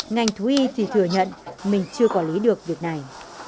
ngành thú y thì thừa nhận mình chưa quản lý được việc này